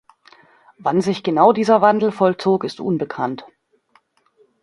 Wann sich genau dieser Wandel vollzog, ist unbekannt.